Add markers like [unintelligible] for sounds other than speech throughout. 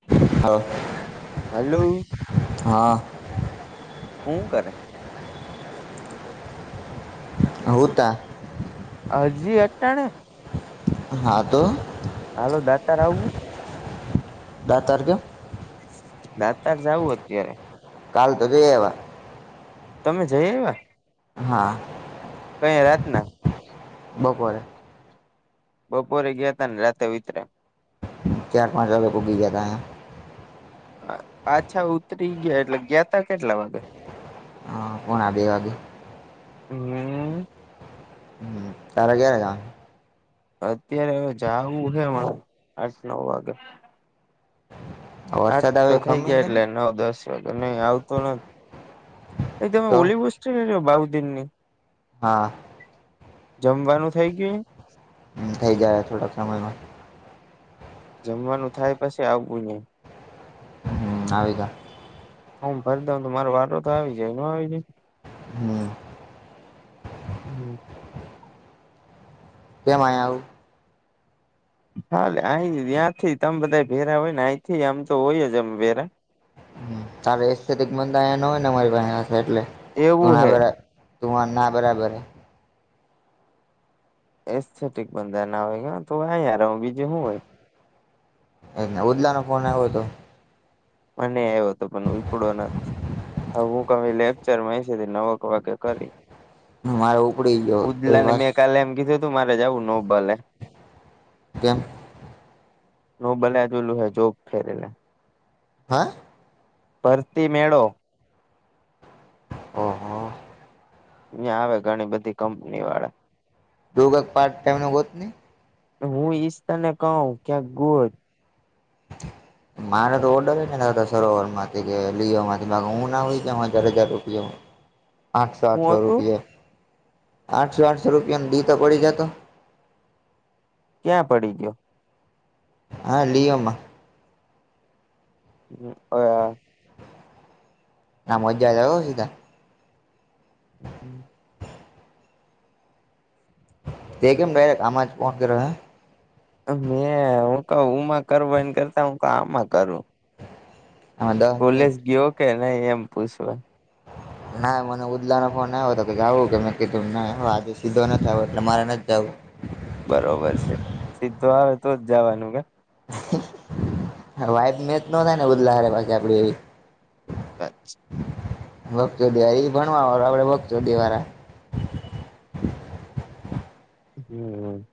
[inaudible] Hello હા [unintelligible] કરે. હુંતા. હજી એકટાને. હા તો. હાલો દાતા ર આવું. [unintelligible] દાતા [unintelligible] જવું અત્યારે. કાલ [unintelligible] તમે જઈ [unintelligible] હા. કઈ રાત ના. [unintelligible] બપોરે ગયા ત ને રાતે ઉતરે. ચાર પાંચ [inaudible] પાછા ઉતરી ગયા એટલે ગયાતા કેટલા વાગે. હા કોણ આવે બેે વાગે. હમ હમ. તારા [unintelligible] અત્યારે હવે જવું [unintelligible] આઠ નવ વાગે. આઠ વરસાદ આવે [unintelligible] થઈ ખમી ગયા છે ને એટલે નવ દસ. નહી આવતો નથી એ તમે તો ઓલી બુસ છો ને બાઉ દિનની. હા. જમવાનું થઇ ગયું. થઈ જાય થોડાક સમયમાં. જમવાનું થાય પછી આ [unintelligible] હમ [unintelligible] હમ ભરી [unintelligible] તો મારો વાટ તો આવી જાય ન આવી જાય. હમ [inaudible] કે મા આવું. હાલે આ ત્યાંથી તમ બધા ભેરા હોય ને અહીથી આમ તો હોય જ અમ ભેરા. તારે [inaudible] ન હોય ને અરી પાસે પાસે એટલે એવું હે [unintelligible] તુંર ના બરાબર. એથેટિક બંધા ના હોય તો યાર હ બીજું [unintelligible] હોય. એ ઉદલાનો ફોન આવ્યો હતો. મને આવ્યો તો પણ ઉપડો ન. હ હું કમે લેક્ચર [unintelligible] છે, નવક વાગ્યે કરી. મારે ઉપડી ગયો તો ઉદલા ને બસ મેં કાલે એમ કીધું તું મારે જવું નોબલે કેમ નો બલે જોેલું હે જોગ ફેરેલા હા પરતી મેળો ઓહો અહીં આવે ઘણી બધી કંપની વાળા યોગા પાર્ટ ટાઈમનો હોત નહી હું ઈશતા ને કહું ક્યાં ગોર મારે તો ઓર્ડર લઈને હતા સરોવર માંથી કે લિઓમાંથી બા હું ના કેમ હજાર હજાર રૂપિયો આઠસો હું આઠસો હતું રૂપિયા આઠસો આઠસો રૂપિયા દી તો પડી જતો ક્યાં પડી ગયો હા લીવમમા હ હ હ મજા જ સીધા હમ તેખમ ડરેક્ટ આમાંમાચ ફોન કર મેં હું ક હમાં કર એને કરતા હું ક આમાં કરું આમાં દહ મિનિટ કોલેજ ગયો કે નહી એમ પૂછવા ના મને ઉદલા નો ફોન આવ્યો હતો કે જાવું કે મેં કીધુંમ ના હ આજે સીધો નથી આવ્યો એટલે મારે નથી જવું બરોબર છે સીધો આવે તો જ જવાનું કે વાઈબ મેચ ન થાય ને બદલા હ પાછી આપડી એવી એ વા છે ભગચો દિવારી એ ભણવા વાળ આપડે ભગચો દિવાળ હમ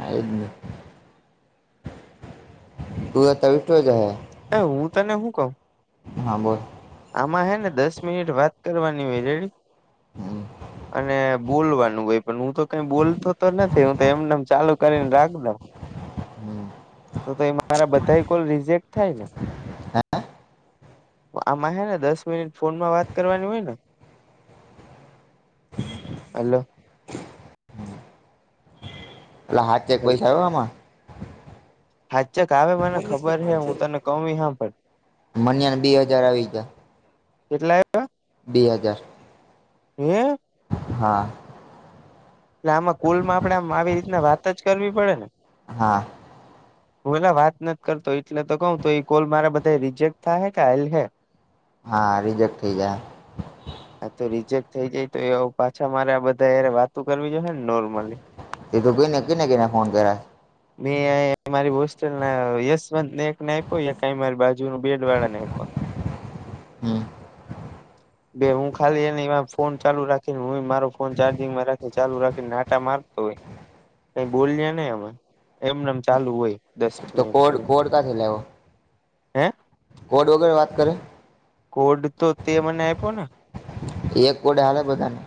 હમ તું તવિષો જ હ એ હું તને હું કઉ હા બોલ આમાં હે ને દસ મિનિટ વાત કરવાની હોય રેડી હમ અને બોલવાનું ભાઈ પણ હું તો કઈ બોલતો તો નથી હું તો એમનેમ ચાલુ કરીને રાખ દઉ તો તો એ મારા બધા કોલ રિજેક્ટ થાય ને એટલે આમાં હે ને દસ મિનિટ ફોનમાં વાત કરવાની હોય ને હાલ પટલે હાથ ચેક પૈસા આવ્યો આમાં હાચક આવે મને ખબર હે હું તને કમી હા પણ મન્યાને બે હજાર આવી ગયા કેટલા આવ બે હજાર હમ હા એટલે આમાં કુલમાં આપડે આમ આવી રીતને વાત જ કરવી પડે ને હા હું એલા વાત નથી કરતો એટલે તો કઉ તો એ કોલ મારા બધા રિજેક્ટ થાય હે કે હલ હે હા રિજેક્ટ થઈ જાય હા તો રિજેક્ટ થઇ જાય તો એ પાછા મારે બધાય વાતો કરવી જો ને નોર્મ ત તું ક ક કને ફોન કર્યા મેં મારી હોસ્ટેલ ના યશવંત નેને આપ્યો ક મારી બાજુ ન બેડ વાળા ને આપ્યો હમ બે હું ખાલી એ ફોન ચાલુ રાખીને હું મારો ફોન ચાર્જિંગમાં રાખી એ ચાલુ રાખીને નાટા મારતો હોય ક બોલ્યા ને એમાં એમનેમ ચાલુ હોય દસ તો મિનિટ કોડ સુધી કોડ કા થેલાવ હે કોડ વગેરે વાત કરે કોડ તો તે મને આપ્યો ને એક વડે હાલે બધાને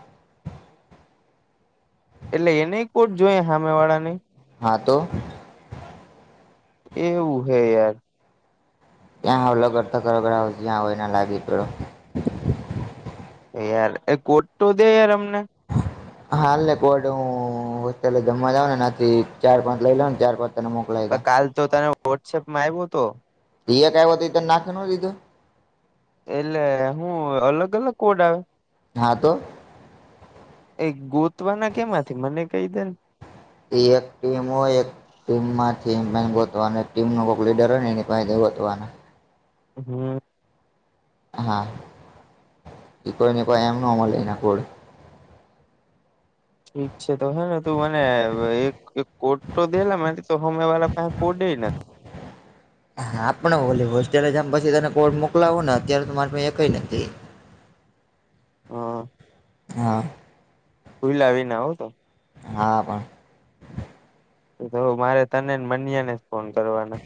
એટલે એને કોટ જોઈ સાામે વાળા ને હા તો એવું હૈ યાર ત્યાં હ લગડ થકરગ જ્યાં હોય એને લાગી પડ યાર એ કોટ તો દે યાર અમને હાલને કોડ હું હોસ્ટેલ જમવા જઉં ને નાથી ચાર પાંચ લઈ લઉં ને ચાર પાંચ તને મોકલાઈ દઉ કાલ તો તને વોટ્સએપમાં આવ્યો હતો ત એક ક નાખે ન દીધો એટલે હું અલગ અલગ કોડ આવે હા તો એ ગોતવાના કેમાંથી મને કહી દે ને એક ટીમ હો એક ટીમ માંથી ગો ટીમ ન કોઈક લીડર હોય ને ગોતવાને હમ હા કોઈ ને કોઈ એમ ન અમલય ના કોડ ઠીક છે તો હેને તું મને એક કોટ તો દેલા મને તો હમે વાળા પાસે કોડે હા આપડ બોલી હોસ્ટેલે જમ પછી તને કોડ મોકલાવો ને અત્યારે તો મારી કઈ નથી હા હા ખઈલા આવી ના આવવ તો હા પણ તો મારે તને મન્યાને ફોન કરવાના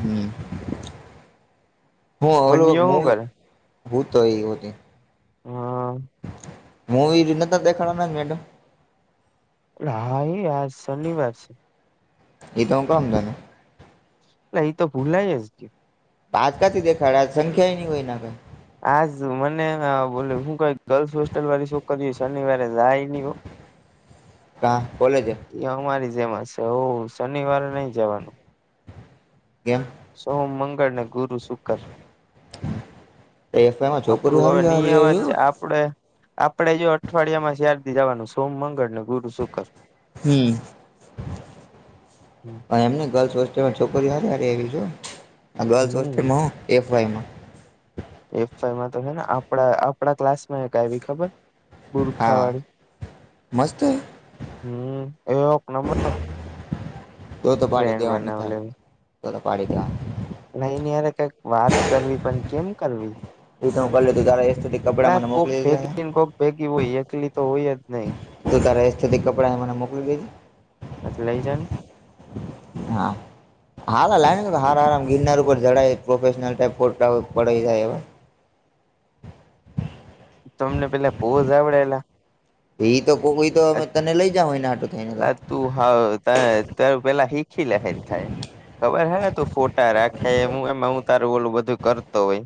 હમ હું અવલો મનીયો હું કરે હ તોય હોતી હા મુંવી રને તો દખના મેડમ હાાઈ આજ શનિવાર છે એ તો હું કામ જાનું એ એ તો ભૂલાય જ પાજકાથી દેખાડ સંખ્યા એ ન કોઈ ના આજ મને બોલો હું કઈ ગર્લ્સ હોસ્ટલ વાળ શો કર શનિવારે જાય નહી હો કા કોલેજ એ અમારી જેમ છે હ શનિવારે નઈ જવાનું કેમ સોમ મંગળ ને ગુરુ શુકર એફઆઈમાં છોકરીઓ આપડું હવે હારી હારી નિયમત આવી છે હો આપ ડે આપડે જો અઠવાડિયા માં શ્યારથી જવાનું સોમ મંગળ ને ગુરુ શુકર હ હ એમને ગર્લ્સ હોસ્ટેલમાં છોકરીઓ હારી આવી છે આ ગર્લ્સ હમ હોસ્ટેલમાં હું એફ વાયમાં એફમાં તો છે ને આપ આપણા ક્લાસમાં એક ખબર હા બુરખાવાળી મસ્ત. હમ, એ એક નંબર તો તો પાડી ફડ દેવાની બનાવે થાય લે. તો પાડીક? નઈ નની યરે કઈક વાત કરવી પણ કેમ કરવી? એ ત ક ત એ [unintelligible] ના, કોક ભેગી ને કોક ભેગી હોય. એકલી તો હોય જ નહીં. તું તારા એ સ્થિતિ કપડાં એ મને મોકલી દેજે. હ, લઈ જમ. હા. હારા લે ને, હાર આમ ગિરનાર ઉપર જડાય, પ્રોફેશનલ ટાઈપ પડ જાય હવે. તમને પેલા પોહ જઝ આવડેલા? એ તો કો, કોઈ તોમે તને લઈ જાવ હોયને? આટો થઈને તો અ તું હ, ત, ત પેલા શીખી લહેર થાય. ખબર હે ને, તું ફોટા રાખે એમું એમ હું તારું ઓલું બધું કરતો હોય.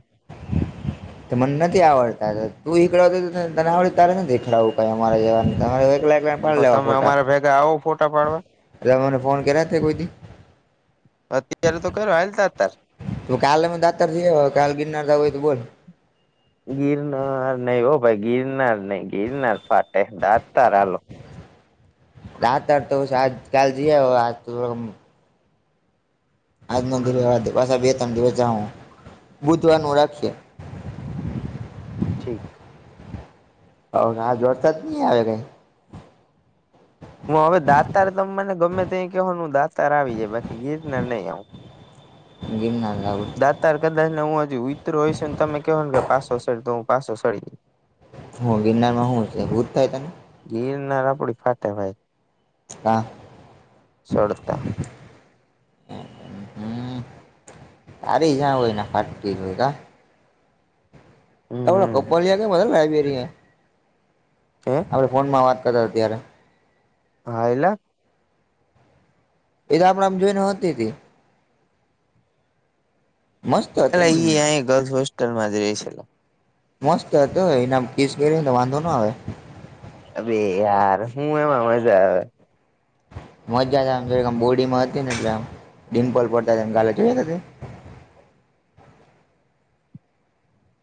તો મને નથી આવડતા, તું એકલો હતો. તને આવડે, તારે નથી દેખડાવું અમારે જે જવાને. લેવા પણ તમે ફોટા અમારા ભેગા આવો ફોટા પાડવા એટલે તે મને ફોન કર્યા કોઈ દી. અત્યારે તો કર હાલ હતા અત્યારે તો કાલ દાતારથી કાલે, ગિરનાર જાઉં હોય તો બોલ. ગિરનાર નહી હો, ભાઈ! ગિરનાર નઈ, ગિરનાર ફાટે, દાદ. તારા હાલો. તારા તો આજ કાલ જઈ આયો? આજ તો આજ નો હમ વાર. પાછા બે-ત્રણ દિવસ જાવું, બુધવાર નું રાખીએ. ઠીક. હ, હા! જોડતા જ નહી આવે કઈ. હું હવે દાતાર. તો મને ગમે તે કહેવાનું, દાતાર આવી જાય, બાકી ગિરનાર ને નહીં આવ. ગિરનાર જાઉં હે. દાતાર કદાચ ને હું હજુ વિતરો હોય છું ને, તમે કહો ને કે પાછો સડી તો હું પાછો સડી. હ, ગિરનારમાં શું છે? હું થાય તને. ગીરનાર આપડી ફાટે, ભાઈ. ના. શોધતા. હમ્મ, તારી જ જ્યાં હોયને ત્યાં ફાટતી હોય. આ બધા હમ કપલિયા કે જો બધા લાગેરિયા. હે. આપણે ફોનમાં વાત કરતા ત્યારે. હા, એલા. એ તો આપણે આમ જોઈને હોતી. મસ્ત હતી એલે, એ ને અ ગર્લ્સ હોસ્ટલ માં જ રે છે. મસ્ત હતો, એના કીસ કરીને વાંધો ના આવે. અવે યાર, હું એમાં મજા આવે. મજા આમ બોડીમાં હતી, એટલે આમ ડિમ્પલ પડતા કાલે જોઈ હતી.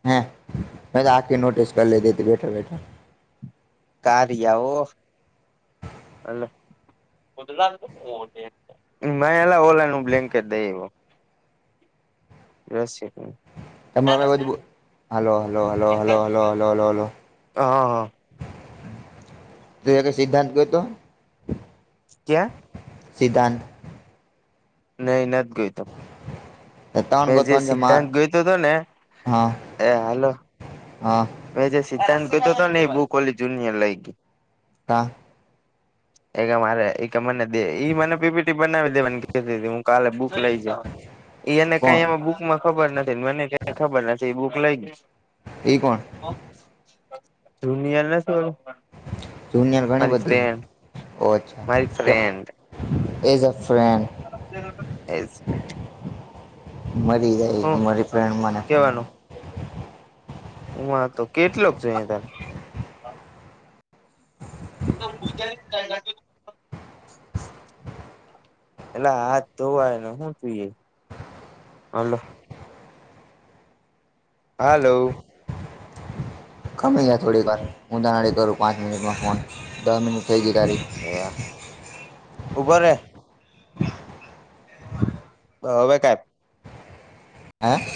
હે, આખ નોટિસ કરી લેેતી બેઠા બેઠા. [unintelligible] એલા, ઓલાનું બ્લેન્કેટ દઈ આયો. રસિક. તમે કઈ બાજુ hello, hello, hello, hello, hello, hello, hello? હા હા તું અઈ થી સિદ્ધાંત ગયો તો. ક્યા? સિદ્ધાંત. નહીં થાય જોય તો. એ તણ મેં જે ગોતન છે, માર સિદ્ધાંત ગયો તો ને હા હા્ મે સીદ્ધાંત કતો હતો ને એ બુક ઓલી જુનય લઈ ગઈ કા એ મારે એક કે મનેે ઈ મને પીપીટી બનાવી દેવા હું કાલે બુક લઈ જઈ એ એને કઈ કોણ એ બુક માં ખબર નથી મને કઈ ખબર નથી એ બુક લઈ ગઈ એ કોણ તુંમિયા ના સો જુનિયર ઘણી બધી ઓ અચ્છા મારી ફ્રેન્ડ એક એઝ અ ફ્રેન્ડ એજ છે મરી જાય મારી ફેણ મને ફ્રેન્ડમાં હ વા તો કેટલોક જો તાર [inaudible] [unintelligible] એટલે હાથ ધોવાયને શું જોઈએ. હાલો. ગમે જાય થોડીક વાર હું તાનાડી કરું પાંચ મિનિટમાં ફોન દ મિનિટ થઈ ગઈ તારી ઉભોરે હવે ક હા